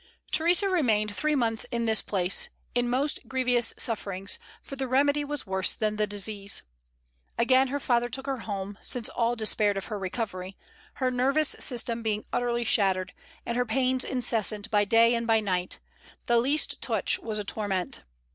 Theresa remained three months in this place, in most grievous sufferings, for the remedy was worse than the disease. Again her father took her home, since all despaired of her recovery, her nervous system being utterly shattered, and her pains incessant by day and by night; the least touch was a torment.